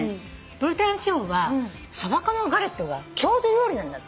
ブルターニュ地方はそば粉のガレットが郷土料理なんだって。